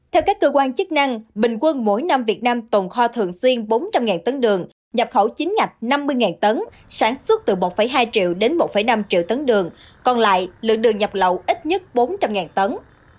theo các cơ quan chức năng bình quân mỗi năm việt nam tồn kho thường xuyên bốn trăm linh tấn đường nhập khẩu chính ngạch năm mươi tấn sản xuất từ một hai triệu đến một năm triệu tấn đường còn lại lượng đường nhập lậu ít nhất bốn trăm linh tấn